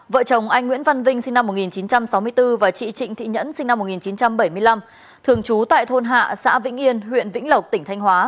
vợ chồng anh nguyễn văn vinh sinh năm một nghìn chín trăm sáu mươi bốn và chị trịnh thị nhẫn sinh năm một nghìn chín trăm bảy mươi năm thường trú tại thôn hạ xã vĩnh yên huyện vĩnh lộc tỉnh thanh hóa